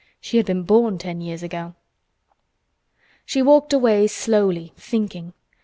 She had been born ten years ago. She walked away, slowly thinking.